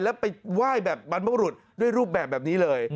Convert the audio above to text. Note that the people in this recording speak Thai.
แล้วไปไหว้แบบบรรพบรุษด้วยรูปแบบนี้เลย